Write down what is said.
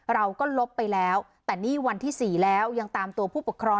ลบไปแล้วแต่นี่วันที่๔แล้วยังตามตัวผู้ปกครอง